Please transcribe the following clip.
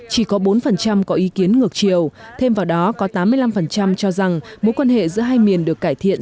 chỉ có bốn có ý kiến ngược chiều thêm vào đó có tám mươi năm cho rằng mối quan hệ giữa hai miền được cải thiện